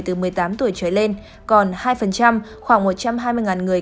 từ một mươi tám tuổi trở lên còn hai khoảng một trăm hai mươi người